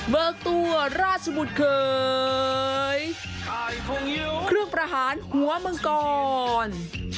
ตัวราชบุตรเคยเครื่องประหารหัวมังกร